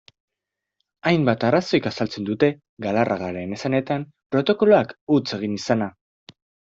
Hainbat arrazoik azaltzen dute, Galarragaren esanetan, protokoloak huts egin izana.